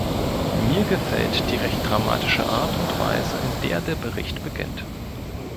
Mir gefällt die recht dramatische Art und Weise, in der der Bericht beginnt.